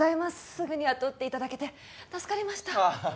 すぐに雇っていただけて助かりましたああ